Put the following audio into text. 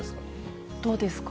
どうですか。